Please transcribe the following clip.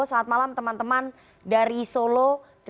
selamat malam teman teman dari solo